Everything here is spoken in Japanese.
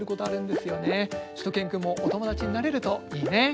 しゅと犬くんもお友達になれるといいね。